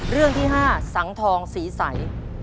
เรื่องที่๕สังทองศรีใส